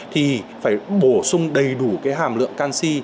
thì phải bổ sung đầy đủ cái hàm lượng canxi